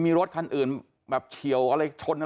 มีอากาศท่านอื่นเชี่ยวชนอันอื่นหนึ่ง